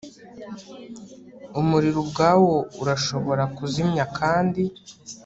Umuriro ubwawo urashobora kuzimya kandi